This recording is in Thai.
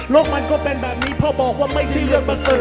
โลกมันก็เป็นแบบนี้เพราะบอกว่าไม่ใช่เรื่องเหมือนเธอ